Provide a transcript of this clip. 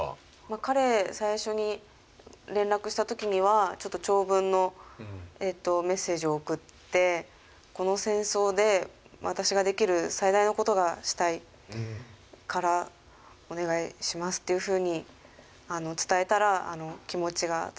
彼最初に連絡した時にはちょっと長文のメッセージを送ってこの戦争で私ができる最大のことがしたいからお願いしますっていうふうに伝えたら気持ちが伝わったみたいで。